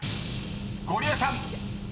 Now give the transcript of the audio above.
［ゴリエさん］